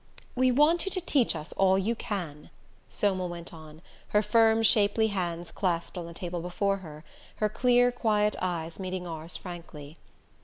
"We want you to teach us all you can," Somel went on, her firm shapely hands clasped on the table before her, her clear quiet eyes meeting ours frankly.